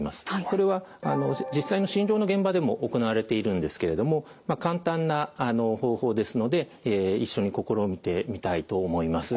これは実際の診療の現場でも行われているんですけれども簡単な方法ですので一緒に試みてみたいと思います。